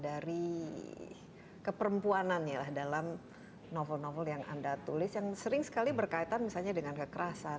dari keperempuanan ya dalam novel novel yang anda tulis yang sering sekali berkaitan misalnya dengan kekerasan